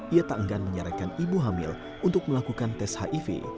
ia tak enggan menyarankan ibu hamil untuk melakukan tes hiv